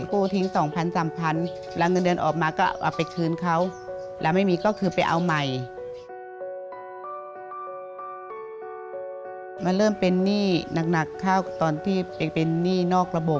กูทิ้งสองพันสามพัน